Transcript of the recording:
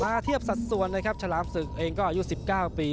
เทียบสัดส่วนนะครับฉลามศึกเองก็อายุ๑๙ปี